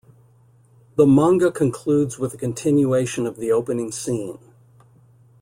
The manga concludes with a continuation of the opening scene.